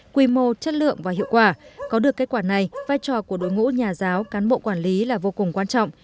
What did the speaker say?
quy mô chất lượng và hiệu quả có được kết quả này vai trò của đối ngũ nhà giáo cán bộ quản lý là vô cùng quan trọng